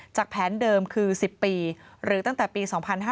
แผนเดิมคือ๑๐ปีหรือตั้งแต่ปี๒๕๕๙